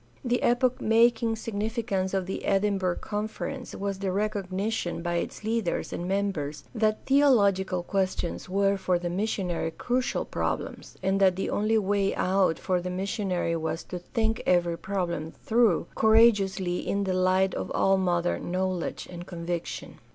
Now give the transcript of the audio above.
The epoch making signifi cance of the Edinburgh Conference was the recognition by its leaders and members that theological questions were for the missionary crucial problems, and that the only way out for the missionary was to think every problem through cour ageously in the light of all modern knowledge and conviction.